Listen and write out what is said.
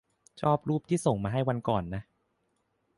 ชอบรูปที่ส่งมาให้วันก่อนนะ